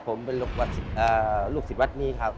ผมเป็นลูกศิษย์วัดนี้ครับ